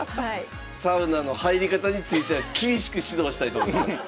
サウナの入り方については厳しく指導したいと思います。